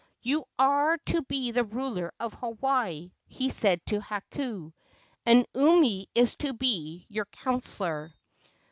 "You are to be the ruler of Hawaii," he said to Hakau, "and Umi is to be your counselor."